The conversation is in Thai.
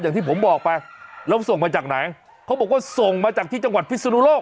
อย่างที่ผมบอกไปแล้วส่งมาจากไหนเขาบอกว่าส่งมาจากที่จังหวัดพิศนุโลก